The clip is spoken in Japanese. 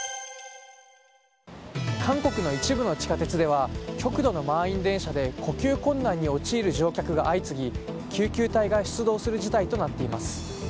韓国の一部の地下鉄では極度の満員電車で呼吸困難に陥る乗客が相次ぎ救急隊が出動する事態となっています。